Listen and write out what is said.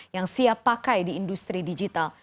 yang siap pakai di industri digital